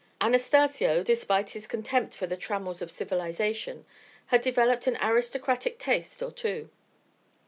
Anastacio, despite his contempt for the trammels of civilisation, had developed an aristocratic taste or two.